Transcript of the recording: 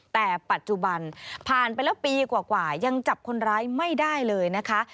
แต่ปัจจุบันผ่านไปแล้วปีกว่ายังจับคนร้ายไม่ได้เลยนะคะ